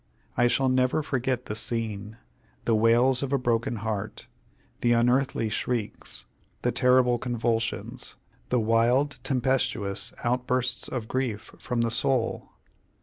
I shall never forget the scene the wails of a broken heart, the unearthly shrieks, the terrible convulsions, the wild, tempestuous outbursts of grief from the soul.